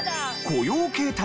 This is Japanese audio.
雇用形態？